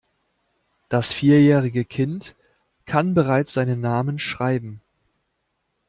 Das vierjährige Kind kann bereits seinen Namen schreiben.